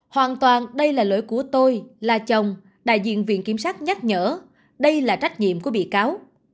hoàn toàn đây là lỗi của tôi là chồng đại diện viện kiểm sát nhắc nhở đây là trách nhiệm của bị cáo